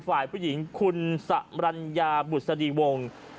ฝ่ายผู้หญิงคุณสะรัญญาบุษดีวง